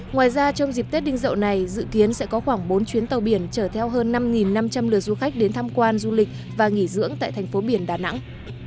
ngoài ra trong dịp tết đinh dậu này dự kiến sẽ có khoảng bốn chuyến tàu biển chở theo hơn năm năm trăm linh lượt du khách đến tham quan du lịch và nghỉ dưỡng tại thành phố biển đà nẵng